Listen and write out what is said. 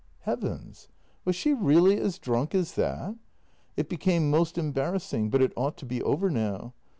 Heavens! Was she really as drunk as that? It became most embarrassing, but it ought to be over now.